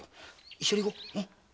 一緒に行こう。